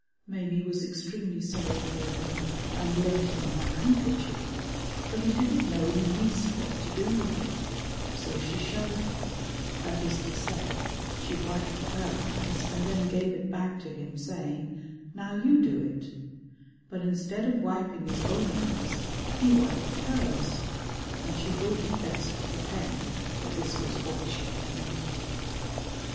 Maimie was extremely sorry for him, and lent him her handkerchief, but he didn't know in the least what to do with it, so she showed him, that is to say, she wiped her eyes, and then gave it back to him, saying "Now you do it," but instead of wiping his own eyes he wiped hers, and she thought it best to pretend that this was what she had meant.